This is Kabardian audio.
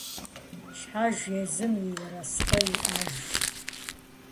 Щхьэж езым и ерыскъы иӀэжщ.